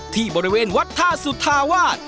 ที่บริเวณวัดท่าสุธาวาส